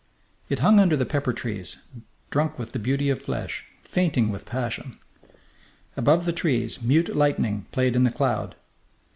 _ It hung under the pepper trees, drunk with the beauty of flesh, fainting with passion. Above the trees mute lightning played in the cloud.